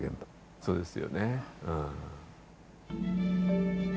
そうですよねうん。